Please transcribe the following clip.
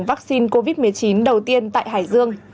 vaccine covid một mươi chín đầu tiên tại hải dương